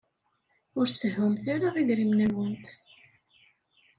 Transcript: Ur sehhumt ara idrimen-nwent.